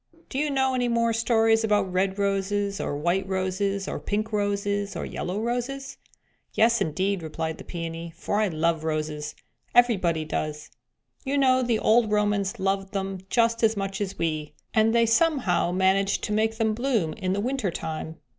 "Do you know any more stories about red roses, or white roses, or pink roses, or yellow roses?" "Yes, indeed," replied the Peony, "for I love roses; everybody does. You know the old Romans loved them just as much as we, and they somehow managed to make them bloom in the winter time.